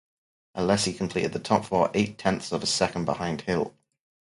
Alesi completed the top four, eight-tenths of a second behind Hill.